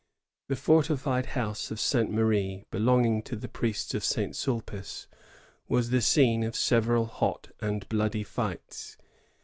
"^ The fortified house of Ste. Marie, belonging to the priests of St. Sulpice, was the scene of several hot and bloody fights.